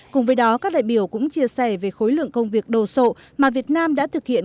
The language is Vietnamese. cùng với đó các đại biểu cũng chia sẻ về khối lượng công việc đồ sộ mà việt nam đã thực hiện